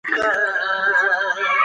دغه الفبې د پښتو لپاره بسنه نه کوي.